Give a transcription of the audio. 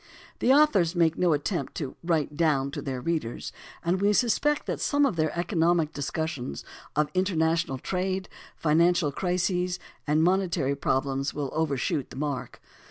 The authors make no attempt to "write down" to their readers, and we suspect that some of their economic discussions of international trade, financial crises, and monetary problems will overshoot the mark.